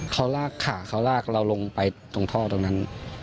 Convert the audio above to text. เขาลากขาเขาลากเราลงไปตรงท่อตรงนั้น